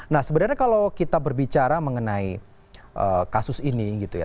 nah sebenarnya kalau kita berbicara mengenai kasus ini gitu ya